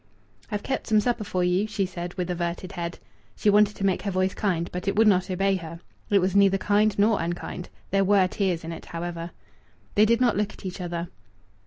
"I've kept some supper for you," she said, with averted head. She wanted to make her voice kind, but it would not obey her. It was neither kind nor unkind. There were tears in it, however. They did not look at each other.